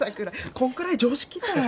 こんくらい常識たい。